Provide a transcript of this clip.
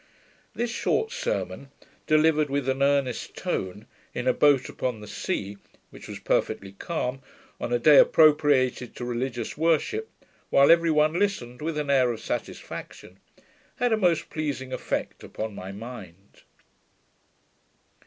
This short sermon, delivered with an earnest tone, in a boat upon the sea, which was perfectly calm, on a day appropriated to religious worship, while every one listened with an air of satisfaction, had a most pleasing effect upon my mind.